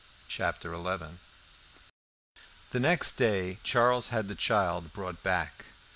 Chapter Eleven The next day Charles had the child brought back.